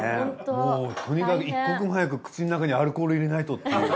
もうとにかく一刻も早く口の中にアルコール入れないとっていう。